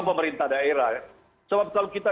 pemerintah daerah sebab kalau kita